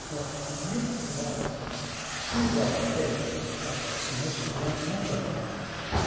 What beautiful eyes! She is rather thin, but has fascinations without number."